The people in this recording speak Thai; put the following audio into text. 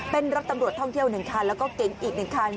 เป็นรถตำรวจท่องเที่ยว๑คันแล้วก็เก๋งอีก๑คัน